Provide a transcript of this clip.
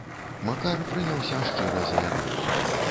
Макар прыняўся шчыра за яду.